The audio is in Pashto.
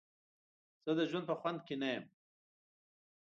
زه د ژوند په خوند کې نه یم.